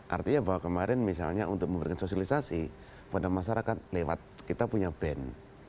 artinya bahwa kemarin misalnya untuk memberikan sosialisasi pada masyarakat lewat kita punya band